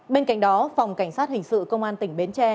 bên cạnh đó phòng cảnh sát hình sự công an tỉnh bến tre